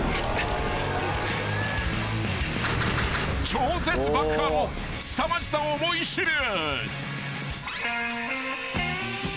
［超絶爆破のすさまじさを思い知る］